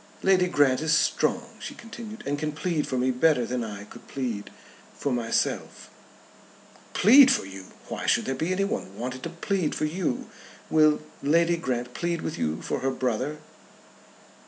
"Lady Grant is strong," she continued, "and can plead for me better than I could plead myself." "Plead for you! Why should there be anyone wanted to plead for you? Will Lady Grant plead with you for her brother?"